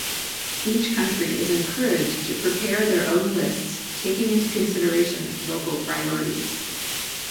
Each country is encouraged to prepare their own lists taking into consideration local priorities.